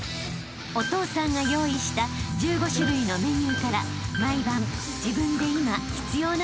［お父さんが用意した１５種類のメニューから毎晩自分で今必要なトレーニングをチョイス］